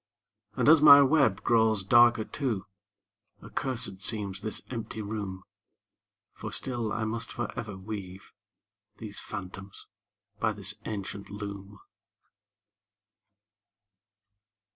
And as my web grows darker too, Accursed seems this empty room; For still I must forever weave These phantoms by this ancient loom.